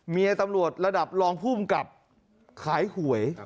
เมียตำรวจระดับรองภูมิกับขายหวย